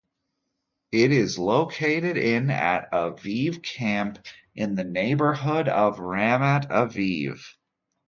It is located in at Aviv Camp in the neighborhood of Ramat Aviv.